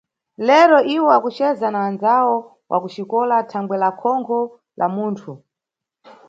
Lero iwo akuceza na andzawo wa kuxikola thangwe la khonkho la munthu.